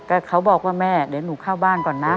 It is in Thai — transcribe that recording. ก็เขาบอกว่าแม่เดี๋ยวหนูเข้าบ้านก่อนนะ